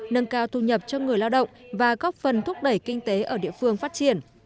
nâng cao thu nhập cho người lao động và góp phần thúc đẩy kinh tế ở địa phương phát triển